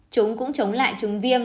chúng cũng chống lại trúng viêm